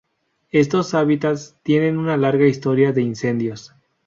Estos hábitats tienen una larga historia de incendios.